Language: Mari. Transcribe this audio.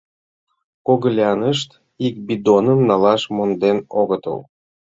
Когылянышт ик бидоным налаш монден огытыл.